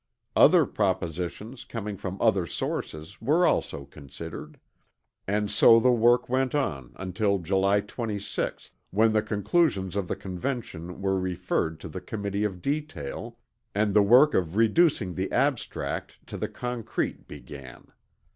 Other propositions coming from other sources were also considered; and so the work went on until July 26, when the conclusions of the Convention were referred to the Committee of Detail, and the work of reducing the abstract to the concrete began.